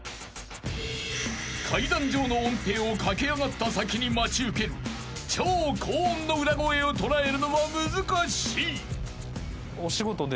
［階段状の音程を駆け上がった先に待ち受ける超高音の裏声を捉えるのは難しい］